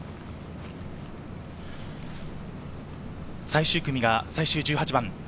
最終組が最終１８番。